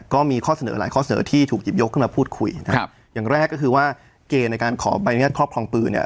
ก็มีข้อเสนอหลายข้อเสนอที่ถูกหยิบยกขึ้นมาพูดคุยนะครับอย่างแรกก็คือว่าเกณฑ์ในการขอใบอนุญาตครอบครองปืนเนี่ย